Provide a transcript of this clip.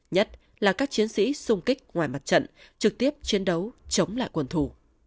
nhất là các chiến sĩ xung kích ngoài mặt trận trực tiếp chiến đấu chống lại quân thủ